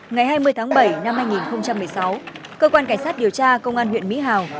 ngày hai mươi tháng bảy năm hai nghìn một mươi sáu cơ quan cảnh sát điều tra công an huyện mỹ hào